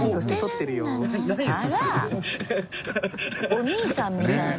お兄さんみたいな。